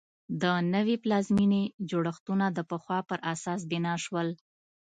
د نوې پلازمېنې جوړښتونه د پخوا پر اساس بنا شول.